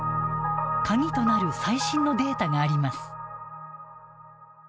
鍵となる最新のデータがあります。